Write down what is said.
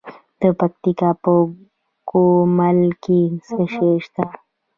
د پکتیکا په ګومل کې څه شی شته؟